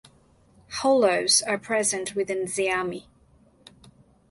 Hollows are present within Zeami.